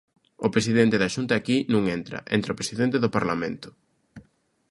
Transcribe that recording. O presidente da Xunta aquí non entra, entra o presidente do Parlamento.